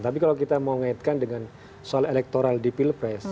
tapi kalau kita mau ngaitkan dengan soal elektoral di pilpres